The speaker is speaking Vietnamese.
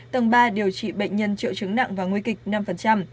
tầng ba điều trị bệnh nhân triệu chứng nặng và nguy kịch năm